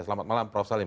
selamat malam prof salim